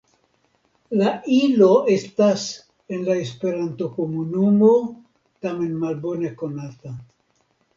La ilo estas en la Esperantokomunumo tamen malbone konata.